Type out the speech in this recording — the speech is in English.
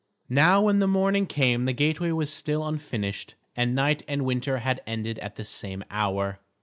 Now when the morning came the gateway was still unfinished, and night and winter had ended at the same hour.